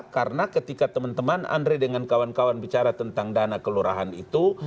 karena ketika teman teman andri dengan kawan kawan bicara tentang dana kelurahan itu